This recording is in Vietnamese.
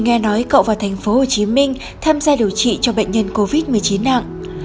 nghe nói cậu vào thành phố hồ chí minh tham gia điều trị cho bệnh nhân covid một mươi chín nặng